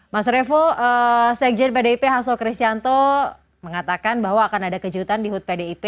mas revo sekjen pdip haslo christiano mengatakan bahwa akan ada kejutan di hud pdip